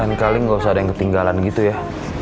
lain kali nggak usah ada yang ketinggalan gitu ya